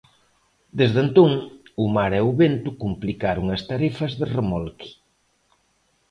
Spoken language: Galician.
Desde entón, o mar e o vento complicaron as tarefas de remolque.